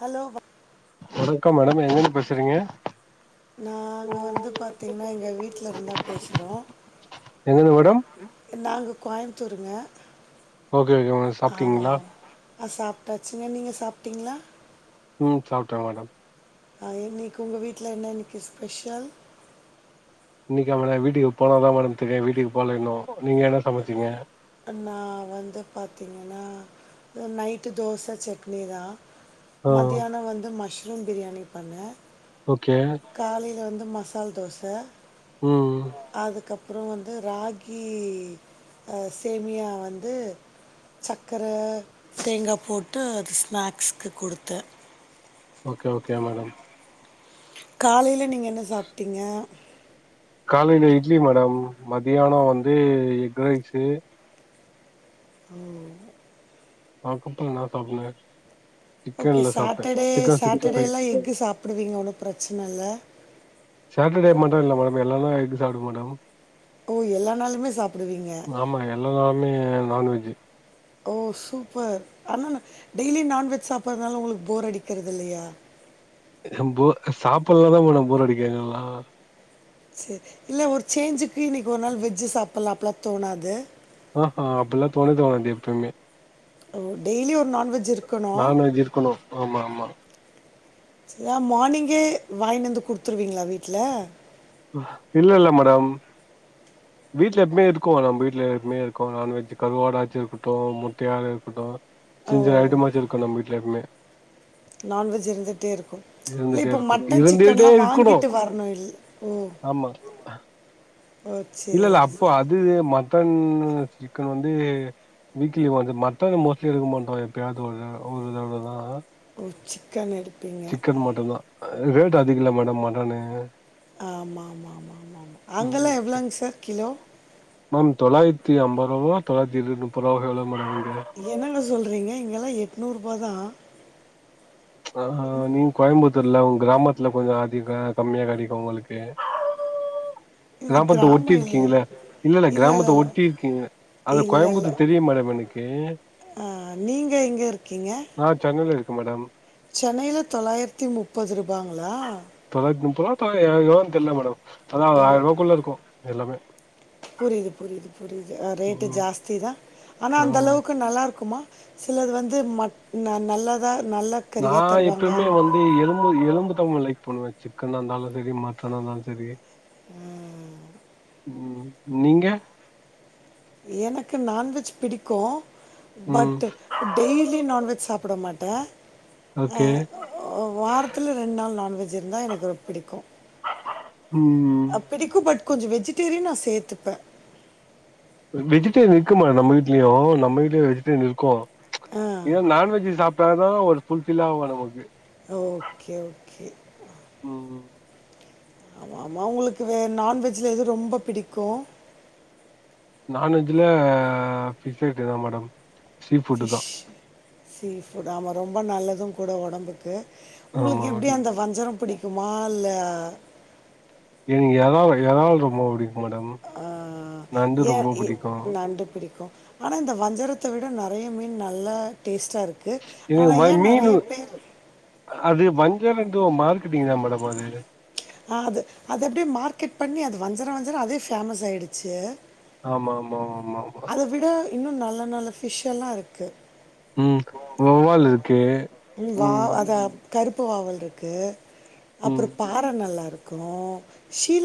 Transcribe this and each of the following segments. Hello ஹ வணக்கம் madam எங்கன்ந்து பேசுறீங்க நாங்க வந்து பாத்தீங்ன்னா எங்க வீட்லந்து தா பேச்றோ எங்கருந்து மேடம் நாங்க கோய்முத்தூருங்க ஓகே ஓகே சாப்ட்டீங்களா ஆ சாப்ட்டாச்சுங்க நீங்க சாப்ட்டீங்ளா ம் சாப்ட்டே மேடம் அ இன்னிக்கி உங்க வீட்ல என்ன இன்னக்கி ஸ்பெஷல் இன்னைக்கா மேடம் வீட்டுக்கு போனா தா மேடம் தெரியு வீட்டுக்கு போல இன்னு நீங்க என்ன சமச்சீங்க நா வந்து பாத்தீங்கன்னா நைட்டு தோச சட்னி தா ஆ மதியானோ வந்து மஷ்ரூம் பிரியாணி பண்ணே ஓகே காலைல வந்து மசால் தோச ம் அதுக்க ப்றோ வந்து ராகி அ சேமியா வந்து சக்கர தேங்கா போட்டு அது ஸ்நாக்ஸ்க்கு குடுத்தே ஓகே ஓகே மேடம் காலைல நீங்க என்ன சாப்ட்டீங்க காலைல இட்லி மேடம் மதியானோ வந்து எக் ரைஸு ஓ ஆ [unintelligible] நல்லாருப்பாங்க ஓகே சாட்ட டே சாட்ட டே ஃபைவ் ல்லா எக்கு சாப்டுவீங்க ஒன்னு பிரச்சனல்ல சாட்ட டே மட்டு இல்ல மேடம் எல்லா நாள் எக்கு சாப்டுவே மேடம் ஓ எல்லா நாளுமே சாப்பிடுவீங்க ஆமா எல்லா நாளுமே நான்வெஜ்ஜு ஓ சூப்பர் ஆனா டெய்லி நான்வெஜ் சாப்பனால ஒங்களுக்கு போர் அடிக்றது இல்லயா போ சாப்பலனா தா மேடம் போர் அடிக்கு எங்கலா செர் இல்ல ஒரு சேஞ்சுக்கு இன்னக்கி ஒரு நாள் வெஜ்ஜு சாப்பலா அப்டிலா தோணாது ஆ ஹா அப்பில்லா தோணவே தோணாது எப்பேமே ஓ டெய்லி ஒரு நான்வெஜ் இருக்கணும் நான்வெஜ் இருக்குணு, ஆமா ஆமா சா மார்னிங்கே வாங்கிட்டு வந்து குடுத்துருவீங்களா வீட்ல இல்ல இல்ல மேடம் வீட்ல எப்பமே இருக்கு நம்ம வீட்ல எப்பமே இருக்கு நான்வெஜ் கருவாடாச்சு இருக்கட்டு முட்டையா இருக்கட்டு ஓ சின்ன சின்ன ஐட்டமாச்சு இருக்கும் நம்ம வீட்ல எப்பமே நான்வெஜ் இருந்துட்டே இருக்கு இல்ல இருந்துட்டே இப்ப இருக்கு மட்டன் சிக்கன் இருந்துட்டே எல்லா இருக்கணு வாங்கிட்டு வரணு இல் ஆமா அ ஓ இல்ல இல்ல சரி அப்போ சரி. அது மட்டன் சிக்கன் வந்து வீக்லி ஒன்ஸ் மட்டன் மோஸ்ட்லி எடுக்க மாட்டோ எப்பயாவது ஒரு த ஒரு தடவதா ஓ சிக்கன் இரு சிக்கன், மட்டன்தா ரேட் அதிக இல்ல மேடம் மட்டனு ஆமாமா ஆமா. மேம் ஓகே மேம் தொள்ளாயிர த்தி அம்பது ரூவாவோ தொள்ளாயிரத்தி இருபது முப்பது ரூபாவோ எவ்ளோ மேடம் இங்க என்னங்க சொல்றீங்க இங்கல்லா எட்நூறு ரூபா தா ஆஹா நீங்க கோயம்புத்தூர்ல உங்க கிராமத்துல கொஞ்சோ அதிக கம்மியா கெடைக்கு உங்களுக்கு இது கிராமத்த ஒட்டி கிராமம் இல்லை இருக்கீங்களே இல்ல இல்ல, இல்லை இல்லை கிராமத்த இல்லை ஒட்டி இருக்கீங்க அது இல்லை இல்லை கோயம்புத்தூர் தெரியு மேடம் எனக்கு நீங்கள் எங்கே நா சென்னையில இருக் க்க மேடம் சென்னைல தொள்ளாயிரத்தி முப்பது ரூபாங்களா இப்ப எ எவ்ளோன்னு தெரியல மேடம் அதா ஒரு ஓ ஆயிரரூபாக்குள்ள இருக்கும் எல்லாமே புரியுது புரியுது புரியுது அ ரேட்டு ம் ஜாஸ்தி தா ஆனா ஆ அந்த அளவுக்கு நல்லா க்குமா சிலது வந்து மட் ந- நல்லதா நல்ல நா கறியாக தருவாங்க எப்பமே வந்து எலும்பு எலும்புதா ரொம்ப லைக் பண்ணுவே சிக்கனா இருந்தாலு செரி மட்டனா இருந்தாலு செரி ம் ம் நீங்க எனக்கு நான்வெஜ் பிடிக்கு ம் பட் டெய்லி நான்வெஜ் சாப் புட மாட்டே ஆ, ஓகே வாரத்துல ரெண்டு நாள் நான்வெ ஜ் இருந்தா எனக்கு பிடிக்கு ம் அ பிடிக்கு பட் கொஞ்சோ வெஜிடேரியன் நா சேத்துப்ப வெஜிடேரியன் இருக்கு மேடம் நம்ம வீட்லயு நம்ம வீட்லயு வெஜிடேரியன் இருக்கு ஆ இல்ல நான்வெஜ் சாப்ட்டா தா ஒரு ஃபுல் ஃபில் ஆவு நமக்கு ஓகே ஓகே ம் ஆமா ஆமா உங்களுக்கு வே நான்வெஜ்ல எது ரொம்ப பிடிக்கு நான்வெஜ்ல ஃபிஷ் ஐட்டந்தா மேடம் சீ ஃபுட்டு தா ஃபிஷ் சீ ஃபுட் ஆமா ரொம்ப நல்லது கூட ஒடம்புக்கு ஆமா உங்களுக்கு எப்டி மேடம் அந்த வஞ்சரம் பிடிக்குமா இல்ல எனக்கு எறால் எறால் ரொம்ப பிடிக்கு ஆ ஏன் எ புடிக்கு நண்டு பிடிக்கு ஆனா இந்த வஞ்சரத்த விட ந றைய மீன் நல்லா டேஸ்டா இருக்கு ஆனா எனக்கு வ ஏ நெறைய மீனு பேர் அது வஞ்சரோங்றது ஒரு மார்க்கிட்டிங் தா மேடம் அது ஆ அது அது அப்படியே மார்க்கெட் பண்ணி அது வஞ்சரோ வஞ்சரோ அதே ஃபேமஸ் ஆயிடுச்சு ஆமா ஆமா ஆமா ஆமா இன்னு நல்ல நல்ல ஃபிஷ் எல்லா இருக்கு ம் வவ்வால் இருக்கு ம் வா அதா கருப்பு வவ்வால் இருக்கு ம் அப்பறோ பாற நல்லாருக் கு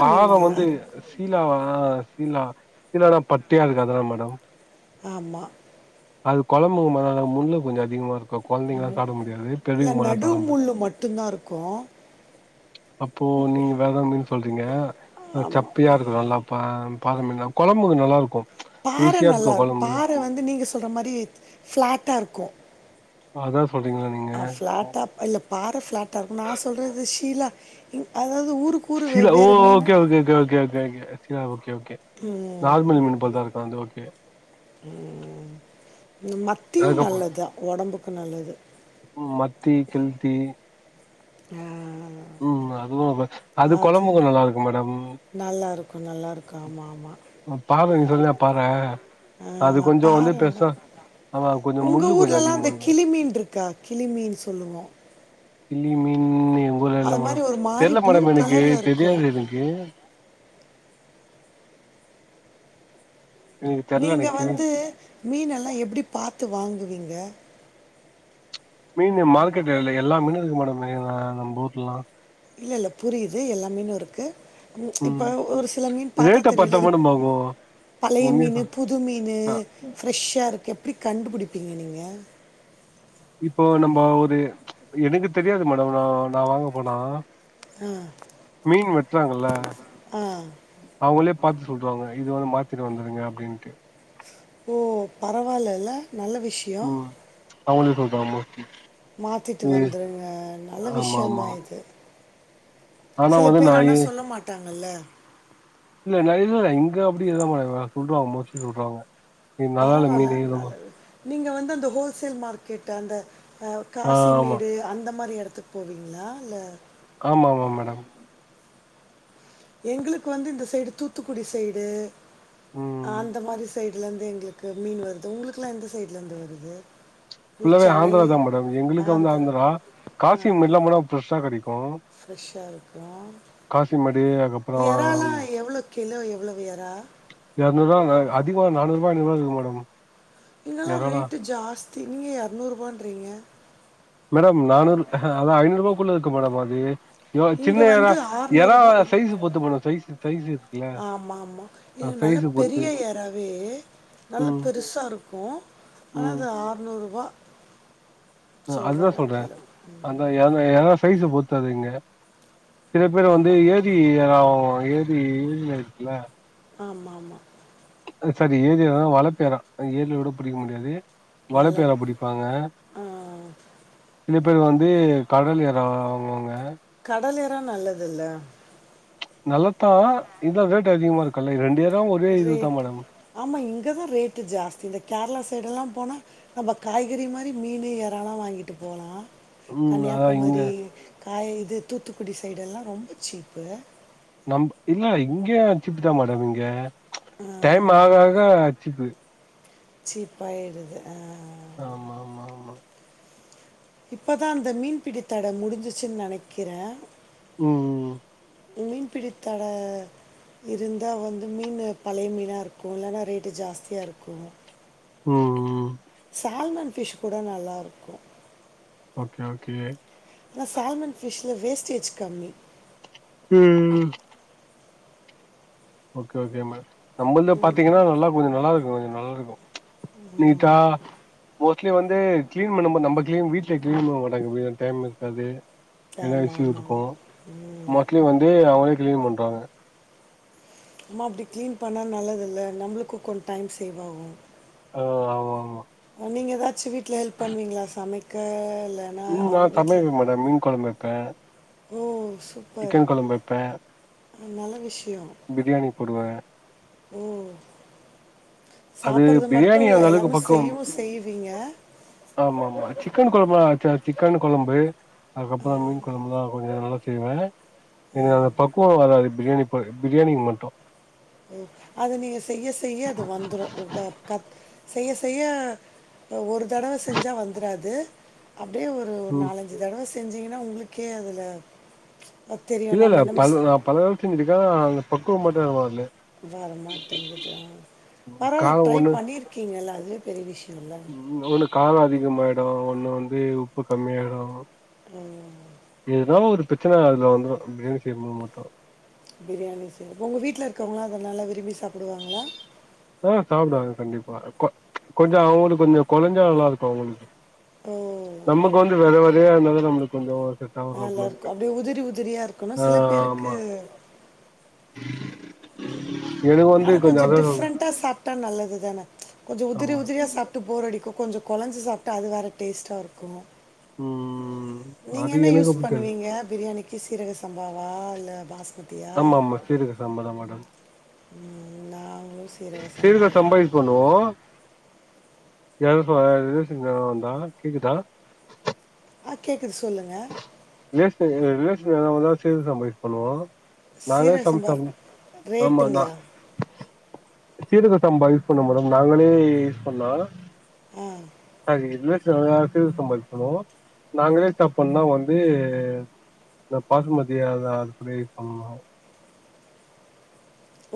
பாறை வந்து சீலாவா சீலா சீலானா பட்டையா இருக்குதே அதானே மேடம் ஆமா அது கொழம்புங்க முள்ளு கொஞ்சம் அதிகமா இருக்கும் குழந்தைங்களால சாப்ட முடியாது பெரியவங்களால சாப்ட முடியும் கோ அப்போ நீங்க வேற மீன் சொல்றீங்க அது சப்பையா இருக்கணும்ல்லாப்பா பாற மீன்னா குழம்புக்கு நல்லா இருக்கும் பாற நல்லா இருக்கும் பாற வந்து நீங்க சொல்ற மாதிரி ஃபிளாட்டா இருக்கும் அதான் சொல்றீங்களா நீங்க அ ஃப்ளாட்டா இல்ல பாற ஃபிளாட்டா இருக்கும் நா சொல்றது ஷீலா மீ அது சீலா ஓ ஓகே ஓகே ஓகே ஓகே ஓகேங்க சீலா ஓகே ஓகே நார்மல் மீனு போல் தா இருக்கு அது ஓகே உம் மத்தியு அதுக்கப்புற நல்லது தா உடம்புக்கு நல்லது மத்தி ஆஹ் உம் அதுவும் அது அது கொழும்புக்கு நல்லா இருக்கும் மேடம் நல்லா இருக்கும் நல்லா இருக்கும் ஆமா ஆமா பாற நீங்க சொன்னில பாற ஆ, அது கொஞ்சம் வந்து பாறை பெருசா ஆமா கொஞ்ச உங்க முள்ளு கொஞ்ச ஊர்ல எல்லாம் அதிகமா இந்த இருக்கு கிளிமீன் இருக்கா கிளிமீன் சொல்லுவோம் கிளி மீன் எங்க ஊர்ல இல்ல அது மாதிரி மேடம் ஒரு மாதிரி தெரில ப்ளூ மேடம் எனக்கு கலரில் இருக்கும் தெரியாது எனக்கு எனக்கு தெர்ல நீங்க எனக்கு கிளி வந்து மீன்னெல்லாம் எப்படி பாத்து வாங்குவீங்க மீனு மார்க்கெட்லஇருக்க எல்லா மீனு இருக்கு மேடம் நம்ப ஊர்லலாம் இல்ல இல்ல புரியுது எல்லா மீனும் இருக்கு ம் இப்ப ஒரு சில மீன் பாத்தா ரேட்ட தெரியுல இது மேடம் ஆகு பழைய உண்மைய மீனு சொல் புது மீனு அ ஃப்ரெஷ்ஷா இருக்கு எப்படி கண்டுபிடிப் பிங்க நீங்க இப்போ நம்ம ஒரு எனக்கு தெரியாது மேடம் ந நா வாங்க போனா ஆ மீன் வெட்டுறாங்கல்ல ஆ அவுங்களே பாத்து சொல்றுவாங்க இது வந்து மாத்திருவாங்க இங்க அப்படின்ட்டு ஓ பரவாயில ல நல்ல விஷயம் அவுங்களே சொல்லிடுவாங்க மோஸ்ட்லி மாத்திட்டு ஏ வந்துருங்க நல்ல ஆமா ஆமா விஷயம்தான் இது ஆனா சில வந்து பேர் நா ஆனா ஏ சொல்ல மாட்டாங்கல்ல இல்ல நிறைய பேர் இங்க அப்படி எதும் பண்ணமாட்டாங்க சொல்றுவாங்க மோஸ்ட்லி சொல்றுவாங்க இன்னிக்கி நல்லாலல்ல பரவால்ல. மீனு நல்ல நீங்க வந்து அந்த ஹோல்சேல் மார்க்கெட் அந்த அ ஆமா காசிமேடு அந்த மாரி எடத்துக்கு போவீங்களா இல்ல ஆமா ஆமா மேடம் எங்களுக்கு வந்து இந்த சைடு தூத்துக்குடி சைடு ம் அந்த மாதிரி சைடுல இருந்து எங்களுக்கு மீன் வருது உங்களுக்கு எல்லாம் எந்த சைட்ல இருந்து வருது உங்களுக்கு ஃபுல்லாவே சென்னை, ஆந்திரா தான் மேடம் எங்களுக்கு வந்து ஆந்திரா காசிமேடுல்லாம் போனா ஃப்ரெஷ்ஷா கெடைக்கும் ஃப்ரெஷ்ஷா இருக்கும் அதுக்கப்புறோ எறாலாம் எவ்ளோ கிலோ எவ்வளவு எறா இரநூறு ரூபா மேம் அதிகமா நானூறு ஐநூறு ரூபா இருக்கும் மேடம் இங்கல்லாம் எறாலா ரேட்டு ஜாஸ்தி நீங்க இரநூறு ரூபான்றீங்க மேடம் நானூறு அதான் ஐநூறு ரூபாக்குள்ள இருக்கும் மேடம் அது சின்ன இங்க எறா வந்து ரூ. எறா சைஸ் பொருத்து மேடம் சைஸ்சு சைஸ்சு இருக்குல ஆமா, ஆமா. இது நல்ல பெரிய எறாவே நல்லா ம் பெருசா இருக்கும் ஆனா ம் அது ஆற்நூறுபா உம் அதுதான் சொல்றேன் கிலோ. அந்த ஏற‌ எறா சைஸ்ச பொருத்ததுங்க சில பேர் வந்து ஆமா, ஏரி-லாம் ஏரி இதுல இருக்குல ஆமா ஆமா சாரி ஏரியதான் வளப்பு எறா ஏரில கூட புடிக்க முடியாது வளப்பு எறா வளர்ப்பு. புடிப்பாங்க ஆ, சில பேர் வந்து கடல் எறா வாங் வாங்குவாங்க கடல் எறா நல்லது இல்ல நல்லத்தா இதா ரேட்டு அதிகமா இருக்குல்ல இது ரெண்டு எ ரேட் ஆமா இங்கதா ரேட்டு ஜாஸ்தி இந்த கேரளா சைடுடெல்லா போனா நம்ப காய்கறி மாரி மீனு எறாலா வாங்கிட்டு போலா ம் அதா இங்க கன்னியாகுமரி காய் இது தூத்துக்குடி சைடுடெல்லா ரொம்ப சீப்பு நம் இல்ல இங்க சீப்புதா மேடம் இங்க ஆ, டைம் ஆக ஆக சீப்பு சீப்பாயிடுது அ அ ஆமா ஆமா ஆமா இப்பதா அந்த மீன்பிடி தட முடிஞ்சுச்ன்னு நெனைக்குற ம் ம் ம் மீன் பிடித்தட இருந்தா வந்து மீனு பழைய மீனா இருக்கு இல்லைனா ரேட்டு ஜாஸ்தியா இருக்கு ம் ம் தால்மன் ஃபிஷ் கூட நல்லா இருக்கு ஓகே ஓகே ஆன சால்மன் ஃபிஷ்ல வேஸ்டேஜ் கம்மி ம் ம் ஓகே ஓகே மேம் நம்பள்த பாத்தீங்கன்னா நல்லா கொஞ்சோ நல்லா இருக்கு கொஞ்ச நல்லாருக்கு நீட்டா ஓ மோஸ்லி வந்து கிளீன் பண்ணம்போ நம்ப கிளின் வீட்ல கிளீன் பண்ண மாட்டாங்க வீ டைம் இருக்காது ஆமாம் [unintelligible] ஆமாம் இருக்கு ஆமாம் மோஸ்ட்லி வந்து அவங்களே கிளீன் பண்றாங்க அம்மா அப்டி கிளீன் பண்ண நல்லது இல்ல நம்மளுக்கு கொஞ்சோ டைம் சேவ் ஆகு ஓ ஆமா ஆமா நீங்க ஏதாச்சு வீட்ல ஹெல்ப் பண்ணுவீங்களா சமைக்க இல்லைன்னா ம் நா அவங்க வீட்டில் சமைப்பே மேடம் மீன் கொழம்பு வைப்பே ஓ சூப்பர் சிக்கன் கொழம்பு வைப்பே நல்ல விஷ்யோ போடுவ ம் அது சாப்படுறது மட்டும் பிரியாணி இல்ல அந்த அளவுக்கு எல்லாமே பக்குவம் செய்வும் செய்வீங்க ஆமா ஆமா சிக்கன் கொழம்ப வச்ச சிக்கன்னு கொழம்பு அதுக்கப்றோ மீன் கொழம்புல்லா கொஞ்சோ நல்லா செய்வே எனக்கு அந்த பக்குவோ வராது ப்ரியாணி ப ப்ரியாணிக்கு மட்டு ஒ அத நீங்க செய்ய செய்ய அது வந்துரு க கத் செய்ய செய்ய ஒ ஒரு தடவ செஞ்சா வந்துராது அப்டியே ஒரு ஒரு ம் நாலஞ்சு தடவ செஞ்சிங்கன்னா உங்களுக்கே அதுல இல்ல இல்ல பல்ல நா பலவாட்டு செஞ்சிருக்க அந்த பக்குவோ மட்டு எனக்கு வர்ல வரமாட்டேங்குதுதா பரவால்ல காரோ ட்ரை ஒண்ணு பண்ணிருக்கீங்கல்ல அதுவே பெரிய விஷ்யோல்ல காலோ அதிகமாகாயிடு ஒன்னு வந்து உப்பு கம்மியாயிடு எதுனா ஒரு ப்ரச்சன அதுல வந்துரு அ ப்ரியாணி செய்போது மட்டு ப்ரியாணி சரி உங்க வீட்ல இருக்கவங்களா அத நல்லா விரும்பி சாப்புடுவாங்களா ஆ சாப்புடுவாங்க கண்டிப்பா கொ கொஞ்சோ அவுங்களுக்கு கொஞ்சோ கொலஞ்சா நல்லா இருக்கு அவுங்களுக்கு ஓ நமக்கு வந்து வெற வெறையா இருந்தா தா நம்மளுக்கு கொஞ்சோ செட் ஆகு நல்லா இருக்கு சாப்ட அப்டியே உதுரி உதுரியா இருக்குனு ஆ சில ஆமா பேருக்கு எனக்கு வந்து கொஞ்சோ அதா சொ தா நல்லது தான கொஞ்சோ உதுரி ஆமா உதுரியா சாப்ட்டு போறடி கொஞ்சம் கொலைஞ்சி சாப்பிட்டா அது வேற டேஸ்ட்டா இருக்கும் ம் நீங்க அது என்ன எனக்கு யூஸ் புடிக்காது பண்ணுவீங்க பிரியாணிக்கு சீரக சம்பாவா பாஸ்மதியா ஆமா ஆமா சீரா சக சமதான் மேடம் ம் ந சீர்க்கா சம்ப இக்கண ய வ கக்குதா [inaudible] ஆகேக்குது சொல்லுங்க ரே ச சம்ப யஸ் பண்ணுவோம் [inaudible] நாங்கே சீரக சம்பா சமைசம் ஆமா நான் ரேட்டுங்களா சீரக சம்பா யூஸ் பண்ணும்பதம் நாங்களே யூஸ் பண்ணா ம் சம்பாதிக்கணும் நாங்களே சாப்பனா வந்து [unintelligible] நான் பச மதியான் அதுபடிய ன் பண்ணனு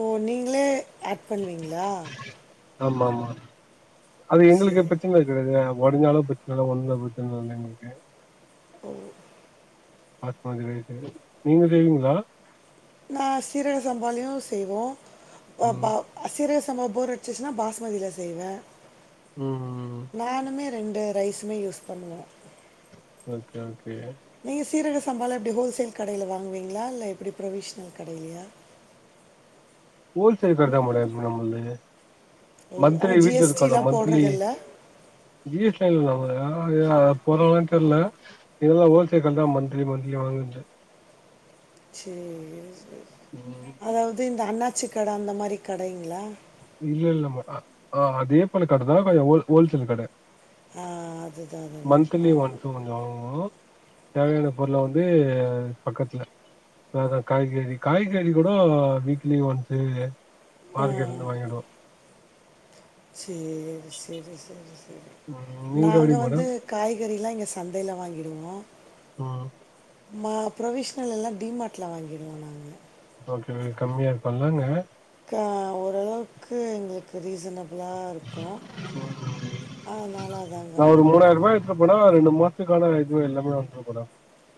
ஓ நீங்களே ஆட் பண்ணுவீங்களா ஆமா ஆமா அது எங்களுக்கு சரி பிரச்சனை இரு காது ஒருநாளும் பிரச்சனை இல்லை ஒண்ணும் பிரச்சனை இ இல்லை எங்களுக்கு ஓ பத்தமது வயசு நீங்க தேவீங்களா [inaudible] நான் சீரக சம்பாளையும் செய்வோம் ம் பாசி ஒவ்வரு வச்சுச்சுன்னா பாஸ்மதியில செய்வேன் ம் நானுமே ரெண்டு ரைஸுமே யூஸ் பண்ணுவோம் ஓகே ஓகே நீங்க சீரக சம்பால எப்படி ஹோல்சேல் கடையில் வாங்குவீங்களா இல்ல எப்டி ப்ரொவிஷனல் கடைலையா ஹோல் சேல் கதா மு ந [inaudible] மத்லி ஆனால் வீட்டுல இருக்கணும் ஜிஎஸ்டிலாம் மந்த்லி போடுறதில்ல ஜி போறோம்லாம் தெரியல நீங்கல்லாம் ஹோல்சேல தான் மந்திலி மந்திலி வாங்கு [inaudible] சேரி சரி ம் அதாவது இந்த அண்ணாச்சிகடை அந்த மாதிரி கடைங்களா இல்ல இல்ல மா ஆ அதே போல கடைதான் கொம் ஹோல்சேல் கடை ஆ அதுதான் அதுதான் ஆ ஒன்ஸ் கொஞ்சோ வாங்குவோ தேவையான பொருள வந்து பக்கத்துல வோன் காய்கறி காய்கறி கூட வீக்லி ஒன்ஸ் மார்க்கெட் இருந்து வாங்கிடுவோம் சேரி சரி சரி சரி ம் நீங்க எப்டி நாங்க வந்து மேடம் காய்கறிலாம் இங்க சந்தையில வாங்கிடுவோம் ஆ ம ப்ரொஃஷ்னல் எல்லாம் டிமார்ட்டில் வாங்கிடுவோம் நாங்கள் ம் கம்மியா இருக்கூல அங்க க்க ஓரளவுக்கு எங்களுக்கு ரீசனபிளா இருக்கும் இரும் அதனால் அதாங்கே வாங்கிருக்கோம் கட இ எல்லாமே வ மேடம்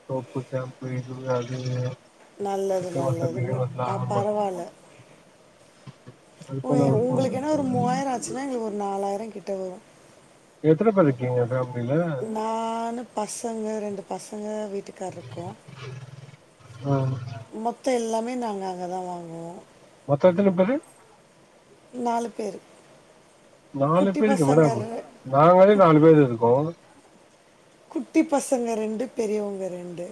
சோப்பு சாம்பு இது அது [unintelligible] நல்லது சிக்கன் மசாலா நல்லது பிரியாணி மு மசாலா ஆ ஆமா பரவாயில்ல அது போல ஒரு உங்களுக்கு ஏன்னா ஒரு மூவாயிரம் ஆச்சுன்னா எங்களுக்கு ஒரு நாலாயிரம் கிட்ட வரும் எத்தனை பேர் இருக்கீங்க நானு பசங்க ரெண்டு பசங்க வீட்டுக்கார இருக்கோ அ மொத்தம் எல்லாமே நாங்கள் அங்கே தான் வாங்குவோம் மொத்த எத்தனை பேரு நாலு பேரு நாலு பேருக்கு மேடம் நாங்களும் குட்- நாலு பேர் இருக்கோம் குட்டி பசங்க ரெண்டு பெரியவங்க ரெண்டு